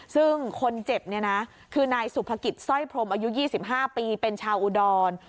ซึ่งคนเจ็บเนี่ยนะคือนายสุภกิจสร้อยพรมอายุ๒๕ปีเป็นชาวอุดร